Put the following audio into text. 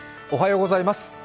おはようございます。